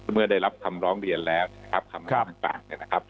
เมื่อได้รับคำล้องเรียนแล้วนะครับคำล้องการเลือกตั้งนะครับ